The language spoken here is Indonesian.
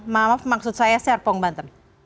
maaf maksud saya serpong banten